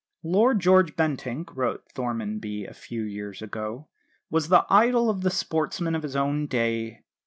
"Lord George Bentinck," wrote Thormanby, a few years ago, "was the idol of the sportsmen of his own day.